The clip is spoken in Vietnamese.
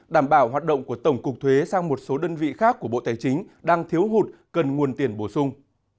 đảm bảo hoạt động của tổng cục thuế sang một số đơn vị khác của bộ tài chính đang thiếu hụt cần nguồn tiền bổ sung